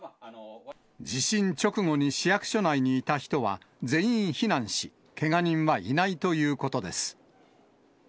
地震直後に市役所内にいた人は全員避難し、けが人はいないということです。